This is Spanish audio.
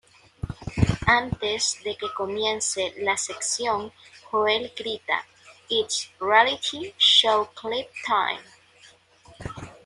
Antes de que comience la sección Joel grita "It´s Reality Show Clip Time!